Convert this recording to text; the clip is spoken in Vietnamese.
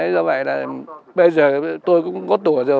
do vậy là bây giờ tôi cũng có tùa rồi